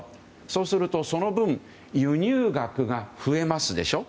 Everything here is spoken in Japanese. そうすると、その分輸入額が増えますでしょ。